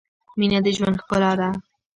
مینه د ژوند ښلا ده